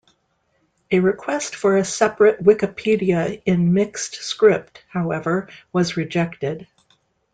A request for a separate Wikipedia in mixed script, however, was rejected.